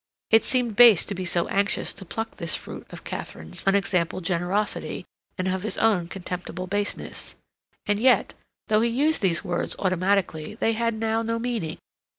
It seemed base to be so anxious to pluck this fruit of Katharine's unexampled generosity and of his own contemptible baseness. And yet, though he used these words automatically, they had now no meaning.